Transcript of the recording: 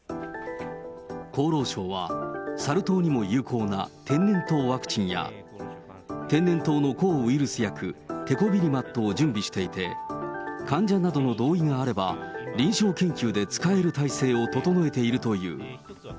厚労省は、サル痘にも有効な天然痘ワクチンや天然痘の抗ウイルス薬、テコビリマットを準備していて、患者などの同意があれば、臨床研究で使える体制を整えているという。